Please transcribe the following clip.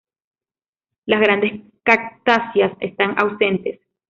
Las grandes cactáceas están ausentes.